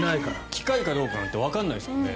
機械かどうかなんてわからないですからね。